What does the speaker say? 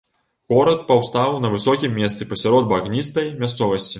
Горад паўстаў на высокім месцы пасярод багністай мясцовасці.